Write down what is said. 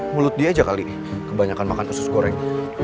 mulut dia aja kali kebanyakan makan usus goreng